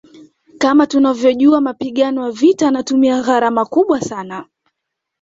Kama tunavyojua mapigano ya vita yanatumia gharama kubwa sana